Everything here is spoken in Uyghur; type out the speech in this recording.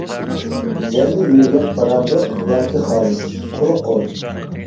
زەللە يۆگەپ بارامدۇق، ياكى خالىس، قۇرۇق قول.